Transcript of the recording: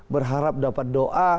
berharap dapat doa